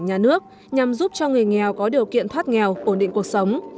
nhà nước nhằm giúp cho người nghèo có điều kiện thoát nghèo ổn định cuộc sống